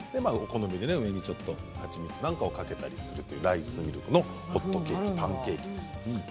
お好みで上にちょっと蜂蜜なんかをかけたりするというライスミルクのホットケーキ、パンケーキです。